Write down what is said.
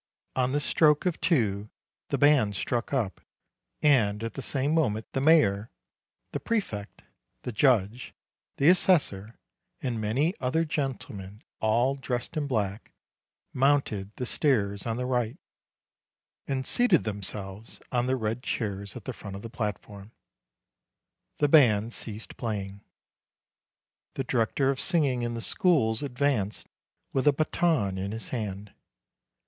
On the stroke of two the band struck up, and at the same moment the mayor, the prefect, the judge, the assessor, and many other gentlemen, all dressed in black, mounted the stairs on the right, and seated them selves on the red chairs at the front of the platform. The band ceased playing. The director of singing in the schools advanced with a baton in his hand.